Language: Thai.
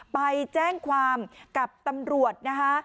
ไปแจ้งความกับตำรวจนะคะ